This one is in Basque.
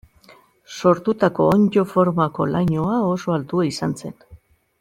Sortutako onddo formako lainoa oso altua izan zen.